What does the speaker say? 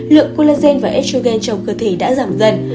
lượng collagen và exchugen trong cơ thể đã giảm dần